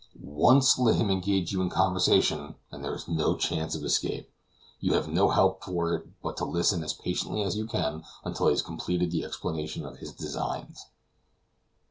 Once let him engage you in conversation, and there is no chance of escape; you have no help for it but to listen as patiently as you can until he has completed the explanation of his designs.